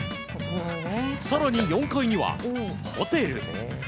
更に４階には、ホテル。